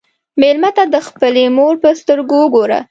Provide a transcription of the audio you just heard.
مېلمه ته د خپلې مور په سترګو وګوره.